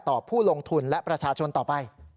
ผู้ลงทุนและประชาชนต่อไป